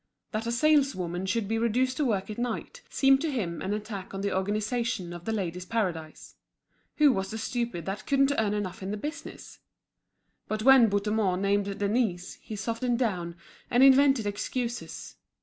That a saleswoman should be reduced to work at night, seemed to him an attack on the organisation of The Ladies' Paradise. Who was the stupid that couldn't earn enough in the business? But when Bouthemont named Denise he softened down, and invented excuses.